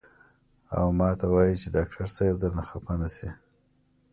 او ماته وائي چې ډاکټر صېب درنه خفه نشي " ـ